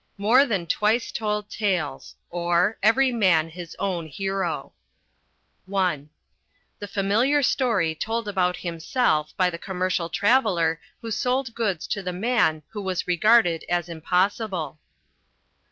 IX. More than Twice told Tales; or, Every Man his Own Hero (I) The familiar story told about himself by the Commercial Traveller who sold goods to the man who was regarded as impossible.